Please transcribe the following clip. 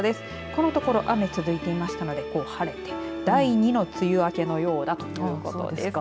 このところ雨続いていましたので晴れて第２の梅雨明けのようだということです。